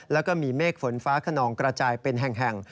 แล้วก็มีเมฆฝนฟ้าขนองกระจายเป็นแห่ง